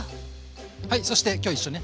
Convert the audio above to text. はいそして今日一緒にね